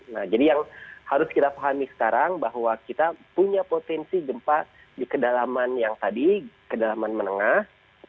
nah jadi yang harus kita pahami sekarang bahwa kita punya potensi gempa di kedalaman yang tadi kedalaman menengah